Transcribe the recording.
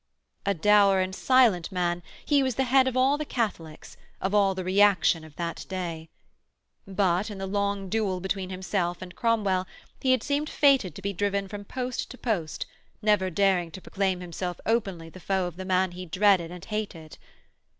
A dour and silent man, he was the head of all the Catholics, of all the reaction of that day. But, in the long duel between himself and Cromwell he had seemed fated to be driven from post to post, never daring to proclaim himself openly the foe of the man he dreaded and hated.